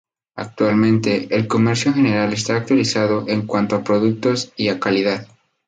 Actualmente, el comercio en general está actualizado en cuanto a productos y a calidad.